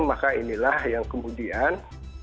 maka inilah yang kemudian